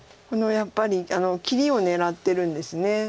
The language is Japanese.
やっぱり切りを狙ってるんです。